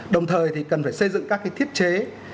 đồng thời thì cần phải xây dựng các thiết chế